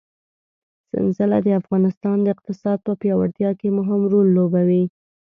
سنځله د افغانستان د اقتصاد په پیاوړتیا کې مهم رول لوبوي.